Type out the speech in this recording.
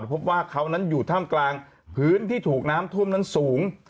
พบว่าเขานั้นอยู่ท่ามกลางพื้นที่ถูกน้ำท่วมนั้นสูง